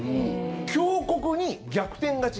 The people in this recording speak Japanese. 強国に逆転勝ち